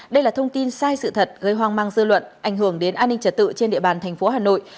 đây là thông tin sai sự thật gây hoang mang dư luận ảnh hưởng đến an ninh trật tự trên địa bàn thành phố hà nội